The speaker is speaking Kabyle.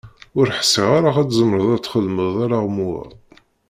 Ur ḥsiɣ ara ad tzemreḍ ad d-txedmeḍ alaɣmu-a.